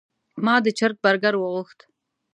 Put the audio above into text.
ما د چرګ برګر وغوښت.